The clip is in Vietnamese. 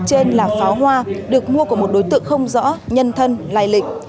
trên là pháo hoa được mua của một đối tượng không rõ nhân thân lai lịch